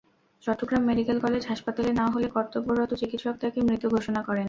Chittagong medical college হাসপাতালে নেওয়া হলে কর্তব্যরত চিকিত্সক তাঁকে মৃত ঘোষণা করেন।